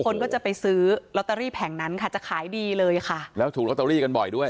คนก็จะไปซื้อลอตเตอรี่แผงนั้นค่ะจะขายดีเลยค่ะแล้วถูกลอตเตอรี่กันบ่อยด้วย